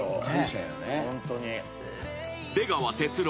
［出川哲朗